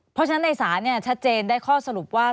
เพราะฉะนั้นในศาลชัดเจนได้ข้อสรุปว่า